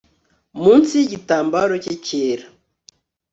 Munsi yigitambaro cye cyera